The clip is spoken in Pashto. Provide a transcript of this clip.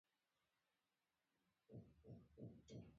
موږ باید د عمل خلک اوسو.